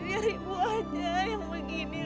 biar ibu aja yang begini